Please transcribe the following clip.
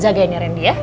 jagain ya randy ya